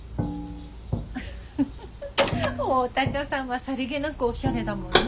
フフフ大高さんはさりげなくオシャレだもんね。